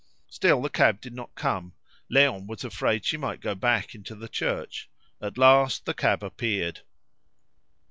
Still the cab did not come. Léon was afraid she might go back into the church. At last the cab appeared.